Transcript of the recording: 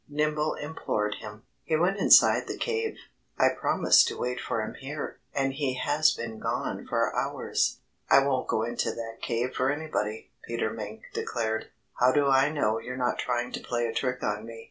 Nimble implored him. "He went inside the cave. I promised to wait for him here. And he has been gone for hours." "I won't go into that cave for anybody," Peter Mink declared. "How do I know you're not trying to play a trick on me?